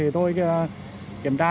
tôi kiểm tra